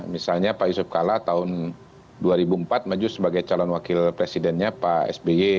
misalnya pak yusuf kalla tahun dua ribu empat maju sebagai calon wakil presidennya pak sby